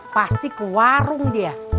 pasti ke warung dia